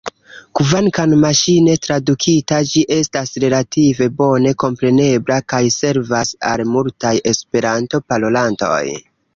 Kvankam maŝine tradukita ĝi estas relative bone komprenebla kaj servas al multaj Esperanto-parolantoj.